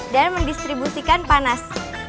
dan mendistribusikan panas